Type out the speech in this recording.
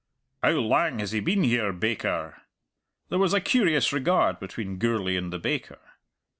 "How lang has he been here, baker?" There was a curious regard between Gourlay and the baker.